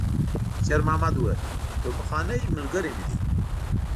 شېرمحمد وویل: «یو پخوانی ملګری مې دی.»